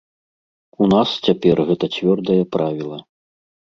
У нас цяпер гэта цвёрдае правіла.